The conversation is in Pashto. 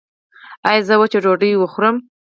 ایا زه وچه ډوډۍ وخورم؟